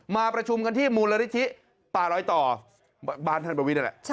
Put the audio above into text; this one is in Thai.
มาประชุมกันที่มูลริฐิป่าโรยต่อบ้านท่านเบอร์วินั่นแหละ